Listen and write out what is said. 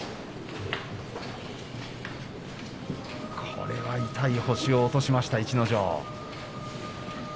これは痛い星を落としました逸ノ城。